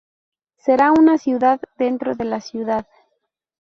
Será una ciudad dentro de la ciudad.